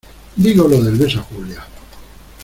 digo lo del beso a Julia.